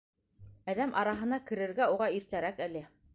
Әҙәм араһына керергә уға иртәрәк әле.